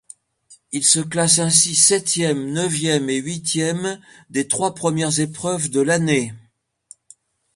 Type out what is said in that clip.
Il se classe ainsi septième, neuvième et huitième des trois premières épreuves de l'année.